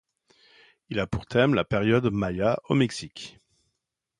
Il a pour thème la période maya au Mexique.